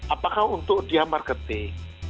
apakah untuk dia marketing